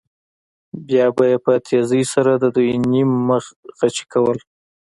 بیا به یې په تېزۍ سره د دوی نیم مخي غچي کول.